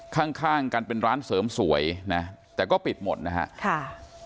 ข้างกันเป็นร้านเสริมสวยนะแต่ก็ปิดหมดนะครับ